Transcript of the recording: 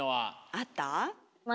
あった？